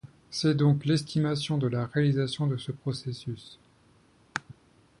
C'est donc l'estimation de la réalisation de ce processus.